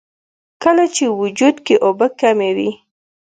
کله چې وجود کښې اوبۀ کمې وي